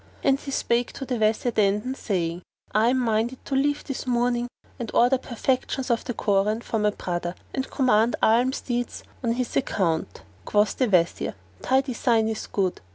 And he spake to the Wazir Dandan, saying, "I am minded to leave this mourning and order perlections of the Koran for my brother and command almsdeeds on his account." Quoth the Wazir, "Thy design is good."